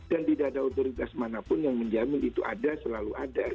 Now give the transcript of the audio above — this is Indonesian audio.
dan tidak ada otoritas manapun yang menjamin itu ada selalu ada